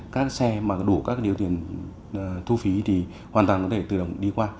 các xe mà đủ các cái điều kiện thu phí thì hoàn toàn có thể tự động đi qua